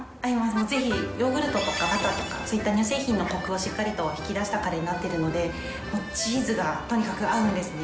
ヨーグルトとか、バターとか、そういった乳製品のコクをしっかりと引き出したカレーになってるので、もうチーズがとにかく合うんですね。